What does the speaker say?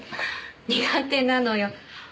苦手なのよ。